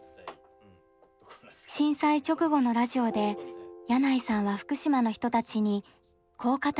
震災直後のラジオで箭内さんは福島の人たちにこう語りかけています。